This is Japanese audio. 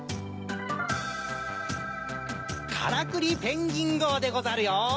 からくりペンギンごうでござるよ！